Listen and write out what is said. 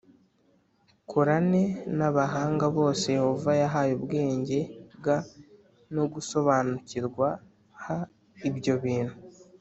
Korane n abahanga bose yehova yahaye ubwenge g no gusobanukirwa h ibyo bintu